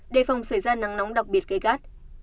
đề phòng xảy ra nắng nóng đặc biệt gây gắt